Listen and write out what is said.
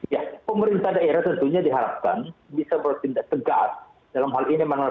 ya pemerintah daerah tentunya diharapkan bisa bertindak tegas dalam hal ini